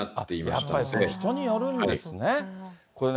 やっぱり人によるんですね。